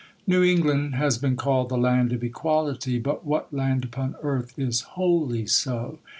New England has been called the land of equality; but what land upon earth is wholly so?